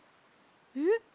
えっ？